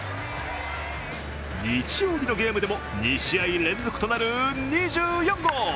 日曜日のゲームでも２試合連続となる２４号。